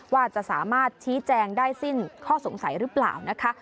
ว่าจะสามารถชี้แจงได้สิ้นข้อสงสัยหรือเปล่านะคะ